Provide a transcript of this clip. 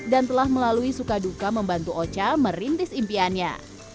dan telah melalui suka duka membantu o c a merintis impiannya